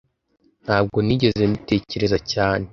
Ntabwo nigeze mbitekereza cyane